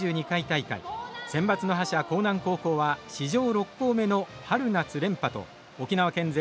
センバツの覇者興南高校は史上６校目の春夏連覇と沖縄県勢